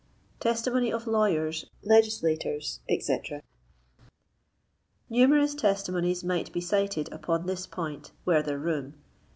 TESTIMONY OF LAWYERS, LEGISLATORS, ETC. Numerous testimonies might be cited upon this point were there room.